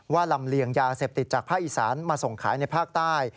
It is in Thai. ลำเลียงยาเสพติดจากภาคอีสานมาส่งขายในภาคใต้